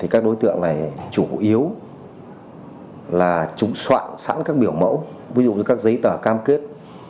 các đối tượng này chủ yếu là chúng soạn sẵn các biểu mẫu ví dụ như các giấy tờ cam kết